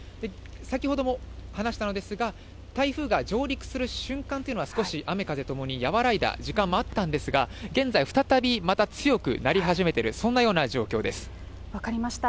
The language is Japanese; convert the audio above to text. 先ほども話したのですが、台風が上陸する瞬間というのは、少し雨風ともに和らいだ時間もあったんですが、現在、再びまた強くなり始めてる、分かりました。